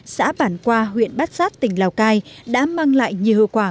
xã bản qua huyện bát sát tỉnh lào cai đã mang lại nhiều hậu quả